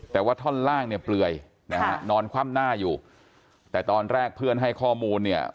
แต่ว่าท่อนล่างเนี่ยเปลือยนะฮะนอนคว่ำหน้าอยู่แต่ตอนแรกเพื่อนให้ข้อมูลเนี่ย